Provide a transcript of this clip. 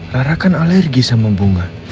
rara kan alergi sama bunga